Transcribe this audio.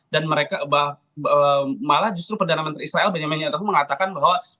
dan mereka malah justru perdana menteri israel benyaminya tahun yahukun mengatakan bahwa